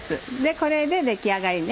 これで出来上がりね。